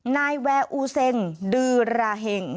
นายแวร์อูเซ็งดือราเห็ง